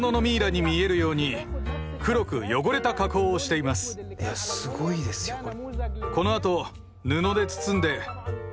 いやすごいですよこれ。